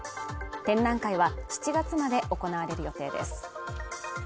展覧会は７月まで行われる予定です。